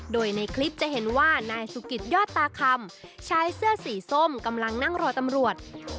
โดยในคลิปจะเห็นว่านายสุกิตยอดตาคำชายเสื้อสีส้มกำลังนั่งรอตำรวจ